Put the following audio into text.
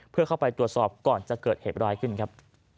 เพื่อเข้าไปตรวจสอบก่อนจะเกิดเหตุร้ายขึ้นครับ